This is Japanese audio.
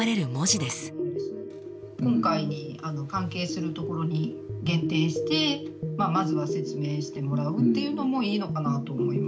「今回に関係するところに限定してまずは説明してもらうっていうのもいいのかなと思いました」。